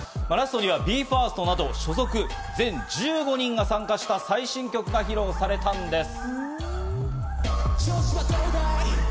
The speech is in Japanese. ラストにはＢＥ：ＦＩＲＳＴなど所属の全１５人が参加した最新曲が披露されたんです。